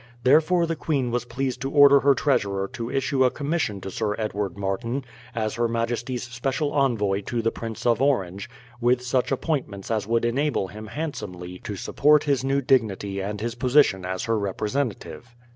Therefore the queen was pleased to order her treasurer to issue a commission to Sir Edward Martin, as her majesty's special envoy to the Prince of Orange, with such appointments as would enable him handsomely to support his new dignity and his position as her representative.